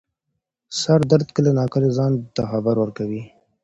سردرد کله نا کله ځان ته خبر ورکوي.